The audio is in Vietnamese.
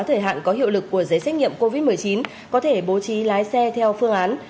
thời hạn có hiệu lực của giấy xét nghiệm covid một mươi chín có thể bố trí lái xe theo phương án